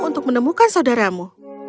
untuk menemukan saudaramu